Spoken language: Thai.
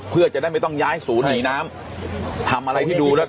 เพื่อจะได้ไม่ต้องย้ายศูนย์หนีน้ำทำอะไรที่ดูแล้ว